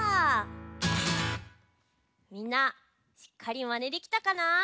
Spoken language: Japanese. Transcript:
みんなしっかりマネできたかな？